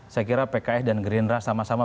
saya kira pks dan gerindra sama sama